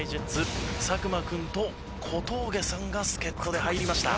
作間君と小峠さんが助っ人で入りました。